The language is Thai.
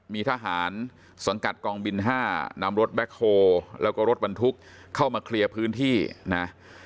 มีทหารสังกัดกองบิน๕นำรถแบ็คโฮแล้วก็รถบรรทุกเข้ามาเคลียร์พื้นที่นะ